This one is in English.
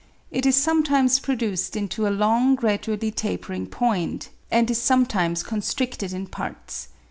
It is sometimes produced into a long gradually tapering point, and is sometimes constricted in parts.